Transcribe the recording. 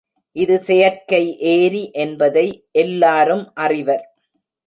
இது செயற்கை ஏரி என்பதை எல்லாரும் அறிவர்.